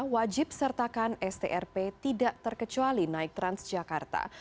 wajib sertakan strp tidak terkecuali naik transjakarta